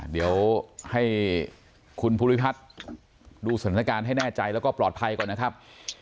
เดี๋ยวให้คุณภูริพัฒน์ดูสถานการณ์ให้แน่ใจแล้วก็ปลอดภัยก่อนนะครับ